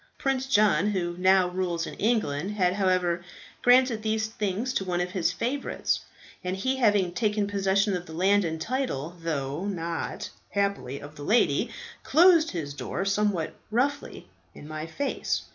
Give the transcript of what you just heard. Prince John, who now rules in England, had however granted these things to one of his favourites, and he having taken possession of the land and title, though not, happily, of the lady, closed his door somewhat roughly in my face.